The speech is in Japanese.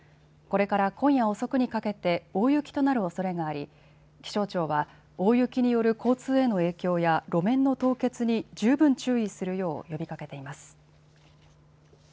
これから今夜遅くにかけて大雪となるおそれがあり気象庁は大雪による交通への影響や路面の凍結に十分注意するよう呼びかけています。